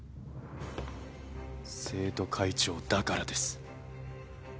生徒会長だからです。